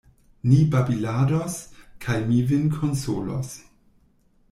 Ni babilados, kaj mi vin konsolos.